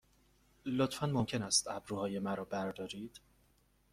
لطفاً ممکن است ابروهای مرا بردارید؟